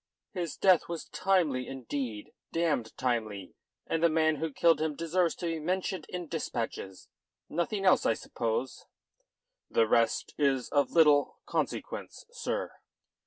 "His death was timely indeed, damned timely; and the man who killed him deserves to be mentioned in dispatches. Nothing else, I suppose?" "The rest is of little consequence, sir."